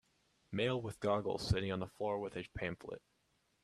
Male with goggles sitting on the floor with a pamphlet.